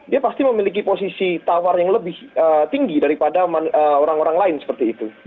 dia pasti memiliki posisi tawar yang lebih tinggi daripada orang orang lain seperti itu